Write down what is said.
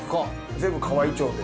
全部河合町で。